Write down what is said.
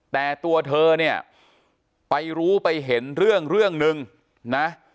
แต่ตัวเธอเนี่ยไปรู้ไปเห็นเรื่องเรื่องหนึ่งนะ